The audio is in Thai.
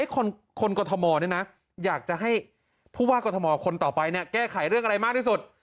คนกฎธมรเนี่ยนะอยากจะให้ผู้ว่ากกฎธมรคนต่อไปเนี่ยแก้ไขเรื่องอะไรมากที่สุด